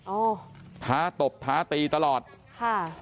โอ้ท้าตบท้าตีตลอดค่ะ